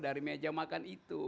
dari meja makan itu